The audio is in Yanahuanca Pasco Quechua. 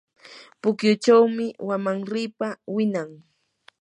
pukyuchawmi wamanripa winan.